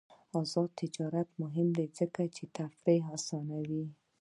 آزاد تجارت مهم دی ځکه چې تفریح اسانوي.